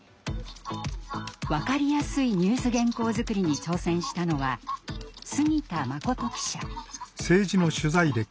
分かりやすいニュース原稿作りに挑戦したのは杉田淳記者。